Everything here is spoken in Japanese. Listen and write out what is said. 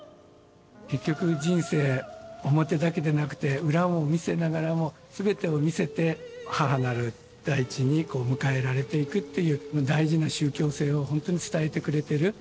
結局人生表だけでなくて裏も見せながらも全てを見せて母なる大地にこう迎えられていくっていう大事な宗教性をほんとに伝えてくれてる。